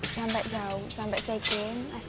sampai jauh sampai segim asean games